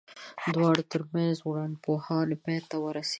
د دواړو ترمنځ ورانپوهاوی پای ته ورسېد.